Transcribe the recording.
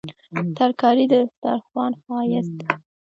ترکاري د سترخوان ښايست دی